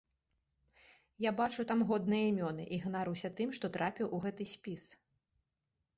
Я бачу там годныя імёны і ганаруся тым, што трапіў у гэты спіс.